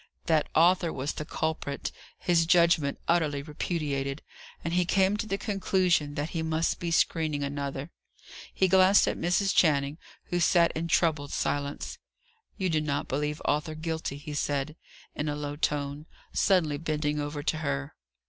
That Arthur was the culprit, his judgment utterly repudiated; and he came to the conclusion that he must be screening another. He glanced at Mrs. Channing, who sat in troubled silence. "You do not believe Arthur guilty?" he said, in a low tone, suddenly bending over to her.